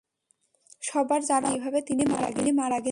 সবার জানা উচিৎ কীভাবে তিনি মারা গেলেন।